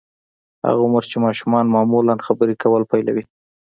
هغه عمر چې ماشومان معمولاً خبرې کول پيلوي.